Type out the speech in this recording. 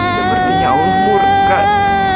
sepertinya umur pak